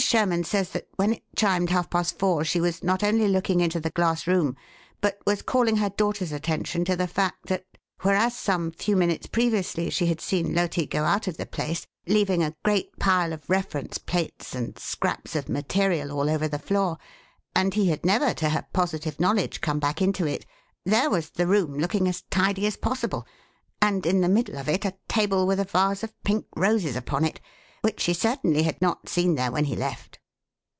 Sherman says that when it chimed half past four she was not only looking into the glass room, but was calling her daughter's attention to the fact that, whereas some few minutes previously she had seen Loti go out of the place, leaving a great pile of reference plates and scraps of material all over the floor, and he had never, to her positive knowledge, come back into it, there was the room looking as tidy as possible, and, in the middle of it, a table with a vase of pink roses upon it, which she certainly had not seen there when he left."